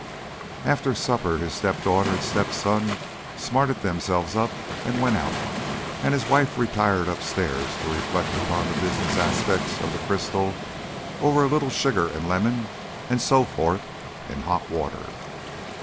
After supper his step daughter and step son smartened themselves up and went out and his wife retired upstairs to reflect upon the business aspects of the crystal, over a little sugar and lemon and so forth in hot water.